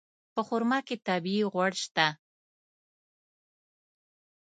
په خرما کې طبیعي غوړ شته.